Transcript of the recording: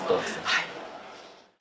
はい。